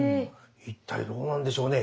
一体どうなんでしょうね。